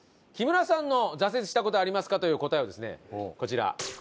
木村さんの「挫折した事ありますか？」という答えはですねこちら。